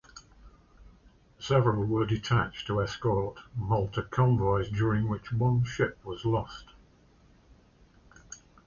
Several were detached to escort Malta convoys, during which one ship was lost.